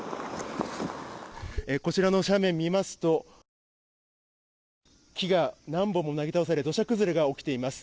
こちらの斜面を見ますと木が何本もなぎ倒され土砂崩れが起きています。